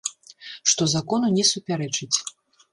Што закону не супярэчыць.